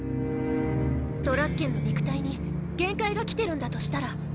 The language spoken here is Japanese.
ドラッケンの肉体に限界が来てるんだとしたら。